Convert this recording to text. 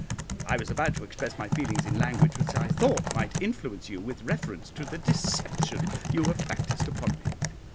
I was about to express my feelings in language which I thought might influence you with reference to the deception you have practised upon me.